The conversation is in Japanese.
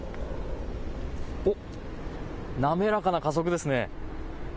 滑らかな加速ですね。